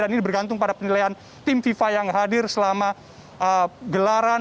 dan ini bergantung pada penilaian tim fifa yang hadir selama gelaran